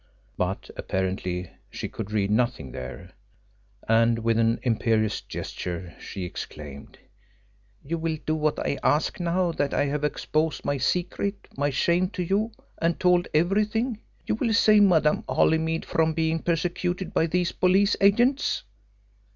But apparently she could read nothing there, and with an imperious gesture she exclaimed: "You will do what I ask now that I have exposed my secret my shame to you and told everything? You will save Madame Holymead from being persecuted by these police agents?"